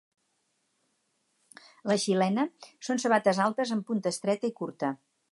La xilena són sabates altes amb punta estreta i curta.